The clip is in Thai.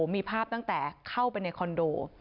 มีภาพตั้งแต่เข้าไปในคอนโด